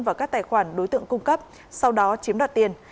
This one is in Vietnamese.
vào các tài khoản đối tượng cung cấp sau đó chiếm đoạt tiền